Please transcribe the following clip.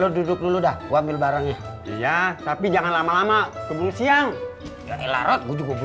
lu duduk dulu dah gua ambil barangnya iya tapi jangan lama lama kebun siang